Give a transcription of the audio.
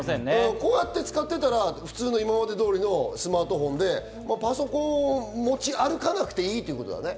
こうやって使ってたら普通の今まで通りのスマートフォンでパソコンを持ち歩かなくていいってことだね。